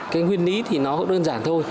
cái nguyên lý thì nó đơn giản